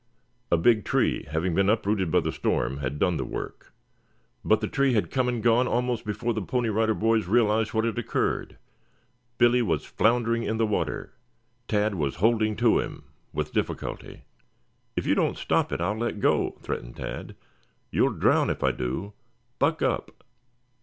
A big tree, having been uprooted by the storm, had done the work. But the tree had come and gone almost before the Pony Rider Boys realized what had occurred. Billy was floundering in the water. Tad was holding to him with difficulty. "If you don't stop it, I'll let go," threatened Tad. "You'll drown if I do. Buck up!"